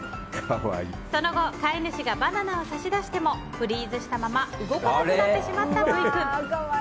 その後、飼い主がバナナを差し出してもフリーズしたまま動かなくなってしまったブイ君。